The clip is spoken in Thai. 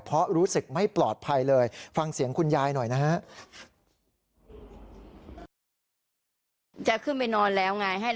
เพราะรู้สึกไม่ปลอดภัยเลยฟังเสียงคุณยายหน่อยนะฮะ